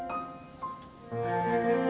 aku mau kemana